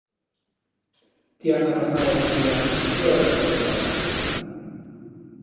Tiana pasaba os días plora que te plorarás.